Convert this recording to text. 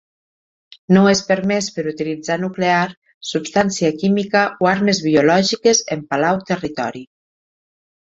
No és permès per utilitzar nuclear, substància química, o armes biològiques en Palau territori.